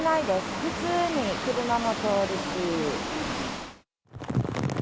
普通に車も通るし。